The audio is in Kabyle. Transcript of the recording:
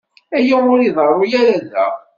Aya ur iḍerru ara da.